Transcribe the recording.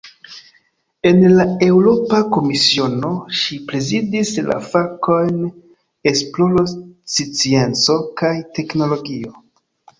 En la Eŭropa Komisiono, ŝi prezidis la fakojn "esploro, scienco kaj teknologio".